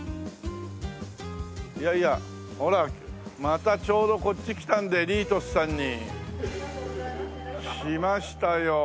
いやいやほらまたちょうどこっち来たのでリートゥスさんにしましたよ。